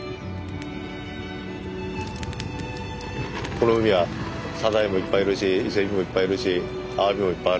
この海はサザエもいっぱいいるし伊勢エビもいっぱいいるしアワビもいっぱいあるし。